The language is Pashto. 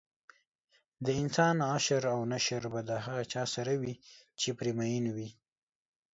دانسان حشر او نشر به د هغه چا سره وي چې پرې مین وي